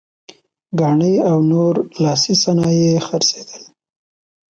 ګاڼې او نور لاسي صنایع یې خرڅېدل.